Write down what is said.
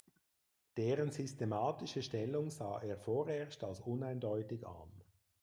Deren systematische Stellung sah er vorerst als uneindeutig an.